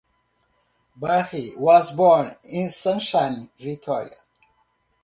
Parry was born in Sunshine, Victoria.